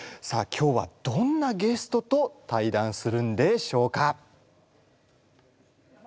さあ今日はどんなゲストと対談するんでしょうか。